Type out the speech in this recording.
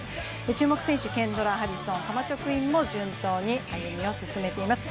注目選手、ケンドラ・ハリソン、カマチョ・クインも順当に歩みを進めています。